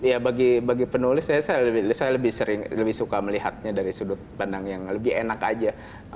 ya bagi penulis saya lebih sering lebih suka melihatnya dari sudut pandang yang lebih enak aja